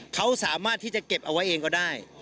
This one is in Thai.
เขาสามารถที่จะเก็บเอาไว้เองก็ได้